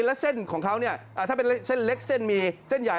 แล้วเส้นของเขาเนี่ยถ้าเป็นเส้นเล็กเส้นมีเส้นใหญ่